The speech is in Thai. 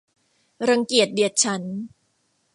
รังเกียจเดียดฉันท์